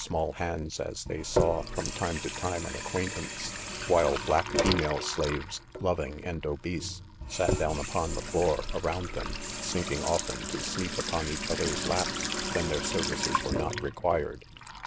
small hands as they saw, from time to time, an ac quaintance $ while black female slaves, loving ana 1 " obese, sat down upon .the floor, around them, sinking often to sleep upon each other's laps when their services were not required.